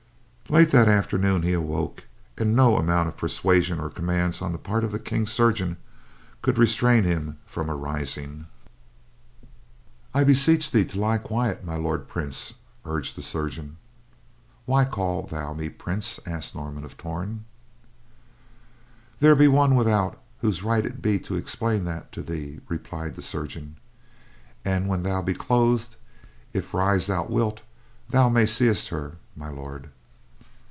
Late that afternoon he awoke, and no amount of persuasion or commands on the part of the King's chirurgeon could restrain him from arising. "I beseech thee to lie quiet, My Lord Prince," urged the chirurgeon. "Why call thou me prince?" asked Norman of Torn. "There be one without whose right it be to explain that to thee," replied the chirurgeon, "and when thou be clothed, if rise thou wilt, thou mayst see her, My Lord."